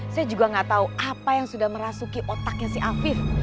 saya juga gak tahu apa yang sudah merasuki otaknya si afif